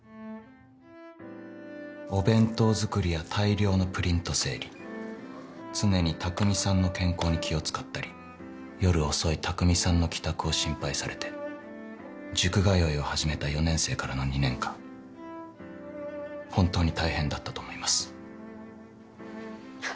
お弁当作りや大量のプリント整理常に匠さんの健康に気を使ったり夜遅い匠さんの帰宅を心配されて塾通いを始めた４年生からの２年間本当に大変だったと思います。